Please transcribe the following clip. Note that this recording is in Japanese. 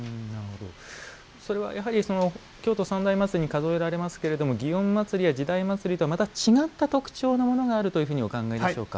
それは、やはり京都三大祭りに数えられますけれども祇園祭や時代祭とはまた違った特徴があるものだとお考えでしょうか。